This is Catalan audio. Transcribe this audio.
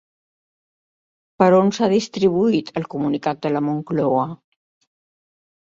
Per on s'ha distribuït el comunicat de la Moncloa?